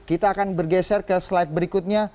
kita akan bergeser ke slide berikutnya